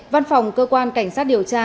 văn phòng cơ quan cảnh sát điều tra